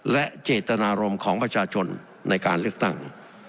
และเจตนารมณ์ของประชาชนในการเลือกตั้ง